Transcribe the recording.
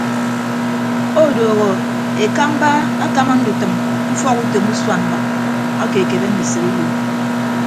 Odooho ekamba akama ndutʌm ke ufọk utom usuan mbʌk ake ekebe ndise uyo.